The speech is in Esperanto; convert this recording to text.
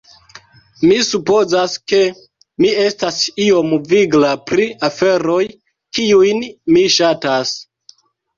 "... mi supozas ke mi estas iom vigla pri aferoj, kiujn mi ŝatas."